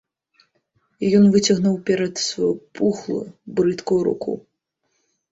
І ён выцягнуў уперад сваю пухлую, брыдкую руку.